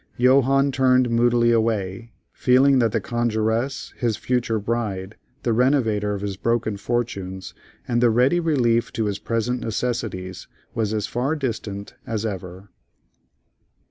Johannes turned moodily away, feeling that the conjuress, his future bride, the renovator of his broken fortunes, and the ready relief to his present necessities, was as far distant as ever.